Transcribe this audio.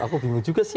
aku bingung juga sih